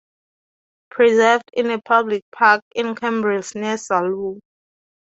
Preserved in a public park in Cambrils near Salou.